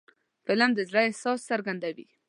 فلم د زړه احساس څرګندوي